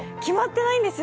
決まってないんですよ。